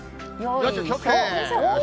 よいしょ。